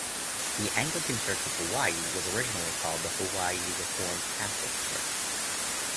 The Anglican Church of Hawaii was originally called the Hawaii Reformed Catholic Church.